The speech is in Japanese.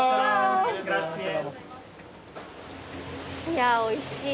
いやおいしい。